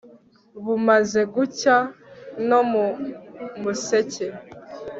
bumaze gucya no mu museke